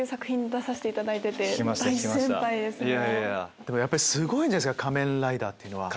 でもやっぱりすごいんじゃないですか『仮面ライダー』は。